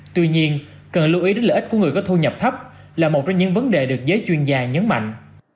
tuy nhiên cần lưu ý đến lợi ích của người có thu nhập thấp là một trong những vấn đề được giới chuyên gia nhấn mạnh